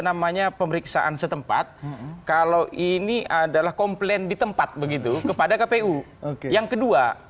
namanya pemeriksaan setempat kalau ini adalah komplain ditempat begitu kepada kepo yang kedua